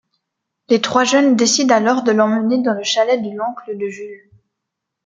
Les trois jeunes décident alors de l'emmener dans le chalet de l'oncle de Jule.